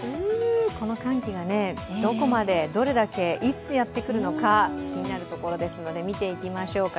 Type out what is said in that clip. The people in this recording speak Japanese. この寒気がどこまで、どれだけ、いつやってくるのか気になるところなので見ていきましょうか。